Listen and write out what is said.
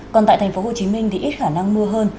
còn tại tp hcm thì ít khả năng mưa hơn